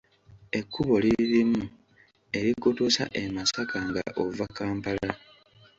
Ekkubo liri limu erikutuusa e Masaka nga ova Kampala.